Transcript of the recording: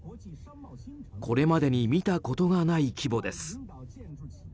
これまでに見たことがない規模です。